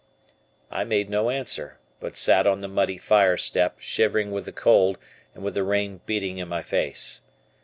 I made no answer, but sat on the muddy fire step, shivering with the cold and with the rain beating in my face.